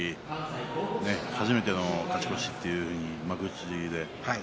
初めての勝ち越しという、幕内で。